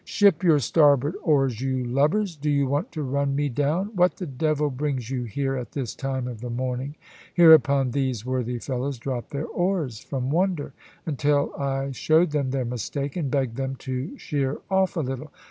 "Ship your starboard oars, you lubbers. Do you want to run me down? What the devil brings you here, at this time of the morning?" Hereupon these worthy fellows dropped their oars, from wonder; until I showed them their mistake, and begged them to sheer off a little.